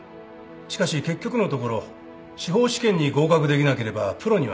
しかし結局のところ司法試験に合格できなければプロにはなれない。